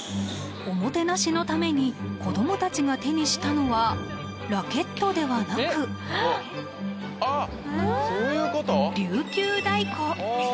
おもてなしのために子供たちが手にしたのはラケットではなくあっそういうこと？